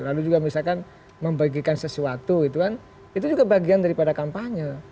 lalu juga misalkan membagikan sesuatu gitu kan itu juga bagian daripada kampanye